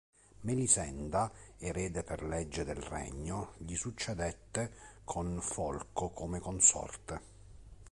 Melisenda, erede per legge del regno, gli succedette con Folco come consorte.